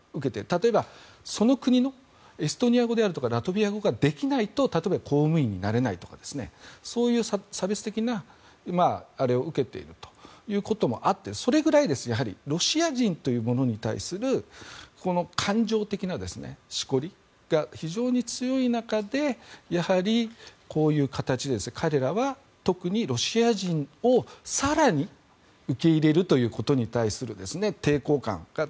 例えば、その国のエストニア語やラトビア語ができないと例えば公務員になれないとかそういう差別的な扱いを受けていたということでそれぐらいロシア人に対する感情的なしこりが非常に強い中でやはり、こういう形で彼らは、特にロシア人を更に受け入れることに対する抵抗感が。